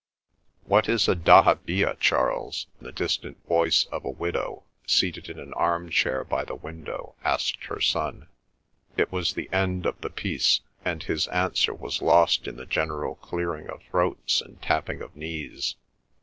"What is a dahabeeyah, Charles?" the distinct voice of a widow, seated in an arm chair by the window, asked her son. It was the end of the piece, and his answer was lost in the general clearing of throats and tapping of knees.